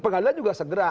pengadilan juga segera